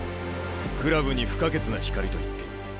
クラブに不可欠な光と言っていい。